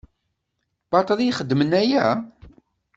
Baṭel i txeddmem aya?